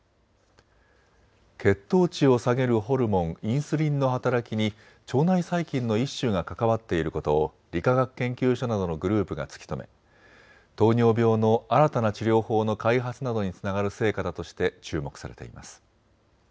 血糖値を下げるホルモン、インスリンの働きに腸内細菌の一種が関わっていることを理化学研究所などのグループが突き止め糖尿病の新たな治療法の開発などにつながる成果だとして注目されています。